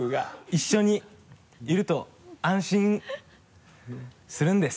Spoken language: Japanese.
一緒にいると安心するんです。